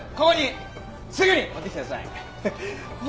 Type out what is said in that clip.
すぐに持ってきてください。